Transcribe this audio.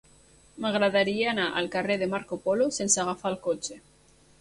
M'agradaria anar al carrer de Marco Polo sense agafar el cotxe.